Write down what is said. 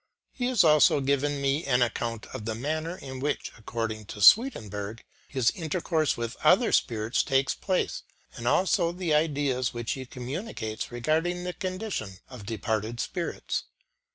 He has also given me an account of the manner in which, according to Mr. Swedenborg, his intercourse with other spirits takes place, and also the ideas which he communicates regarding the condition of departed spirits.